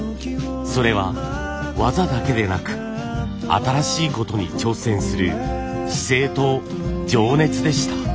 それは技だけでなく新しいことに挑戦する姿勢と情熱でした。